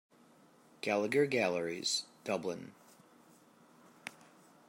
Gallagher Galleries, Dublin.